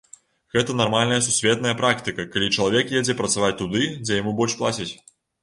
Гэта нармальная сусветная практыка, калі чалавек едзе працаваць туды, дзе яму больш плацяць.